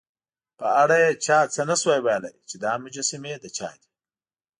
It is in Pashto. په اړه یې چا څه نه شوای ویلای، چې دا مجسمې د چا دي.